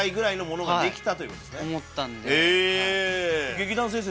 劇団先生